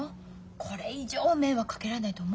これ以上迷惑かけられないと思うよ。